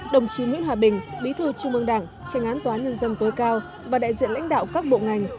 đồng chí nguyễn hòa bình bí thư trung ương đảng tranh án tòa án nhân dân tối cao và đại diện lãnh đạo các bộ ngành